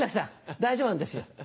大丈夫なんですよ。